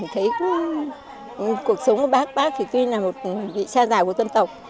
thấy cuộc sống của bác bác thì tuy là một vị cha già của dân tộc